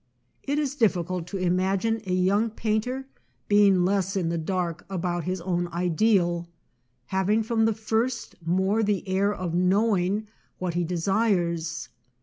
It is difficult to imagine a young painter being less in the dark about his own ideal, having from the first more the air of knowing what he â¢desires.